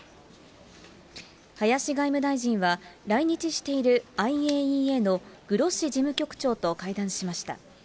林外務大臣は来日しているＩＡＥＡのグロッシ事務局長と会談しました。